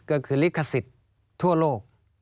ก็คือลิขสิทธิ์ทั่วโลก